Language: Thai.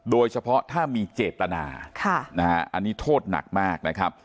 โดยเฉพาะถ้ามีเจตนาอันนี้โทษหนักมากนะครับ